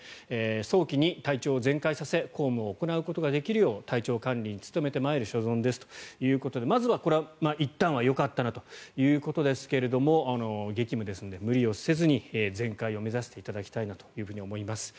早期に体調を全快させ公務を行うことができるよう体調管理に努めてまいる所存ですということでまずは、いったんはよかったなということですが激務ですので無理をせずに全快を目指していただきたいなと思います。